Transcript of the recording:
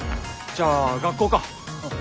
じゃあ学校か。